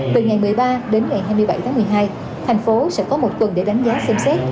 từ ngày một mươi ba đến ngày hai mươi bảy tháng một mươi hai thành phố sẽ có một tuần để đánh giá xem xét